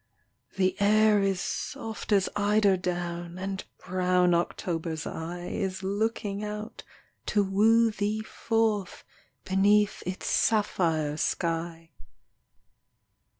The air is soft as eider down ; And brown October's eye Is looking out to woo thee forth Beneath its sapphire sky.